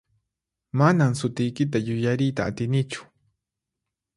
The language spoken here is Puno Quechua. Manan sutiykita yuyariyta atinichu.